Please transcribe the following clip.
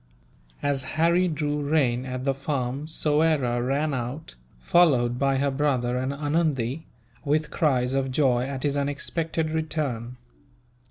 As Harry drew rein at the farm Soyera ran out, followed by her brother and Anundee, with cries of joy at his unexpected return.